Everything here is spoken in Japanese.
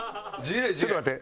ちょっと待って。